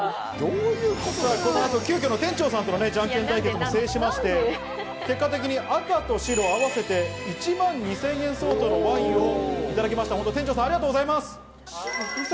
急きょ店長さんとのじゃんけん対決も制しまして、赤と白あわせて１万２０００円相当のワインをいただきました。